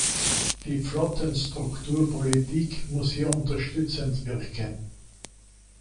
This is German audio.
Die Flottenstrukturpolitik muss hier unterstützend wirken.